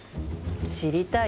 知りたい？